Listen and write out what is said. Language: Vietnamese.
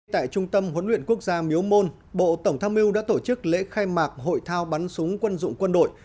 tại trung tâm huấn luyện quốc gia miếu môn bộ tổng tham mưu đã tổ chức lễ khai mạc hội thao bắn súng quân dụng quân đội